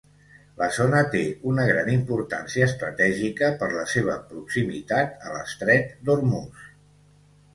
La zona té una gran importància estratègica per la seva proximitat a l'Estret d'Ormuz.